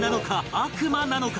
悪魔なのか？